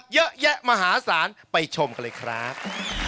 เยอะแยะมหาศาลไปชมกันเลยครับ